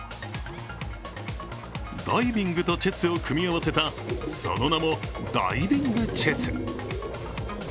ダイビングとチェスを組み合わせたその名もダイビングチェス。